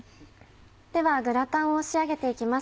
ではグラタンを仕上げて行きます。